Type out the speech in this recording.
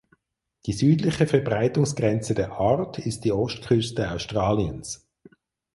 Die südliche Verbreitungsgrenze der Art ist die Ostküste Australiens.